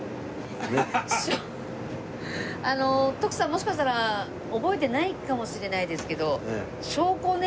もしかしたら覚えてないかもしれないですけどホントに。